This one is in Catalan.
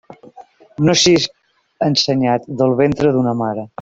No s'ix ensenyat del ventre d'una mare.